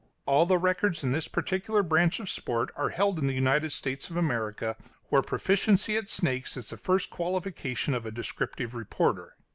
All the records in this particular branch of sport are held in the United States of America, where proficiency at snakes is the first qualification of a descriptive reporter.